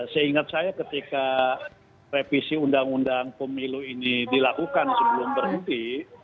seingat saya ketika revisi undang undang pemilu ini dilakukan sebelum berhenti